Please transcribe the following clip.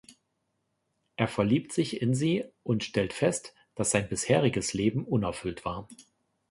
Er verliebt sich in sie und stellt fest, dass sein bisheriges Leben unerfüllt war.